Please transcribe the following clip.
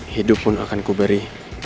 hidup pun akan ku beri